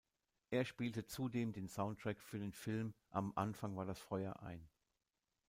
Er spielte zudem den Soundtrack für den Film "Am Anfang war das Feuer" ein.